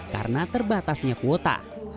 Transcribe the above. karena terbatasnya kuota